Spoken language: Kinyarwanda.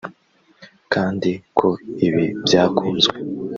kandi ko ibi byakunze